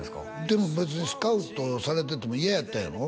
でも別にスカウトされてても嫌やったんやろ？